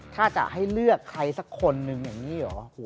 ถ้าจะให้เลือกใครสักคนนึงอย่างนี้เหรอ